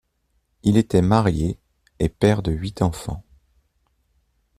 Il était marié et père de huit enfants.